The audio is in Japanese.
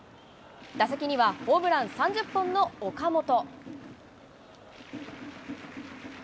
打席にはホームラン３０本の岡本。